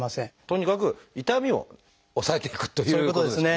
とにかく痛みを抑えていくということですね。